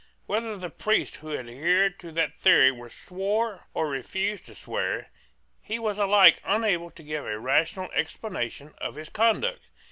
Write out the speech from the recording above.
Whether the priest who adhered to that theory swore or refused to swear, he was alike unable to give a rational explanation of his conduct.